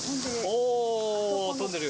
おー、飛んでる。